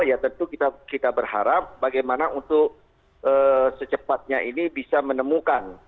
ya tentu kita berharap bagaimana untuk secepatnya ini bisa menemukan